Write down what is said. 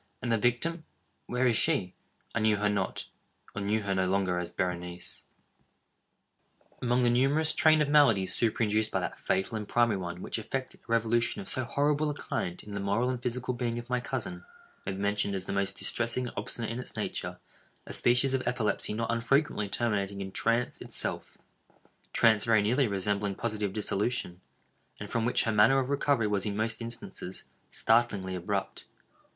—and the victim—where is she? I knew her not—or knew her no longer as Berenice. Among the numerous train of maladies superinduced by that fatal and primary one which effected a revolution of so horrible a kind in the moral and physical being of my cousin, may be mentioned as the most distressing and obstinate in its nature, a species of epilepsy not unfrequently terminating in trance itself—trance very nearly resembling positive dissolution, and from which her manner of recovery was in most instances, startlingly abrupt.